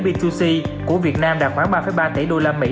b hai c của việt nam đạt khoảng ba ba tỷ đô la mỹ